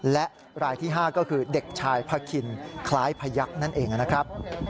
และรายที่๕ก็คือเด็กชายพาคินคล้ายพยักษ์นั่นเองนะครับ